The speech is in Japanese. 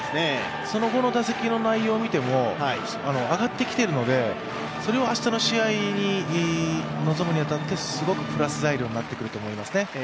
その後の打席の内容を見ても上がってきてるのでそれを明日の試合に臨むに当たってすごくプラス材料になってくると思いますね。